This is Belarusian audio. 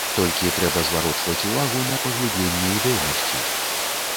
Толькі трэба зварочваць увагу на паглыбленне ідэйнасці.